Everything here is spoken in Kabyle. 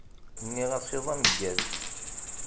Nniɣ-as iḍ ameggaẓ.